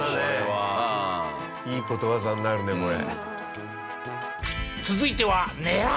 ああいいことわざになるねこれ。